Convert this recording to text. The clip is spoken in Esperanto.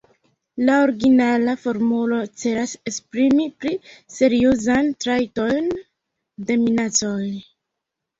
La originala formulo celas esprimi pli seriozan trajton de minacoj.